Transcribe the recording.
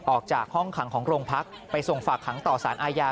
ออกจากห้องขังของโรงพักไปส่งฝากขังต่อสารอาญา